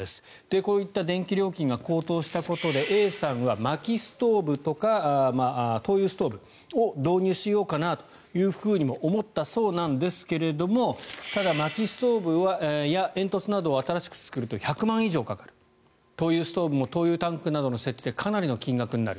こういった電気料金が高騰したことでＡさんはまきストーブとか灯油ストーブを導入しようかなと思ったそうなんですがただ、まきストーブや煙突などを新しく作ると１００万円以上かかる灯油ストーブも灯油タンクなどの設置でかなりの金額がかかる。